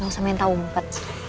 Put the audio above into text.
gak usah main petak umpet